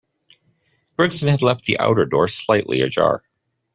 Gregson had left the outer door slightly ajar.